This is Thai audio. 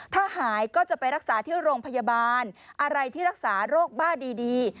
ถ้าหายก็จะไปรักษาที่โรงพยาบาลอะไรที่รักษาโรคบ้าดี